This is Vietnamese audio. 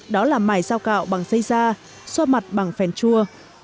đó là mài rau cạo bằng dây da xoa mặt bằng phèn chua